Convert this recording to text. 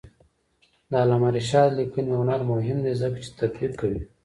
د علامه رشاد لیکنی هنر مهم دی ځکه چې تطبیق کوي.